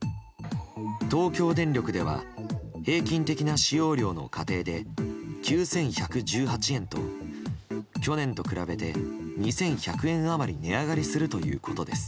東京電力では平均的な使用料の家庭で９１１８円と去年と比べて２１００円余り値上がりするということです。